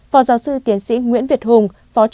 phó giáo sư kiến sĩ nguyễn việt hùng